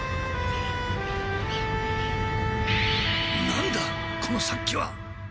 何だこの殺気は！